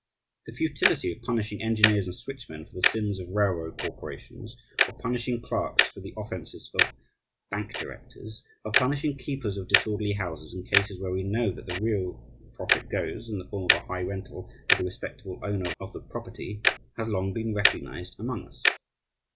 The futility of punishing engineers and switchmen for the sins of railroad corporations, of punishing clerks for the offenses of bank directors, of punishing keepers of disorderly houses in cases where we know that the real profit goes, in the form of a high rental, to the respectable owner of the property, has long been recognized among us.